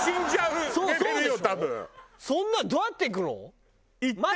そんなんどうやって行くの？